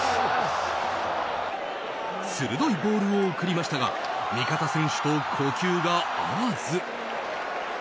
鋭いボールを送りましたが味方選手と呼吸が合わず。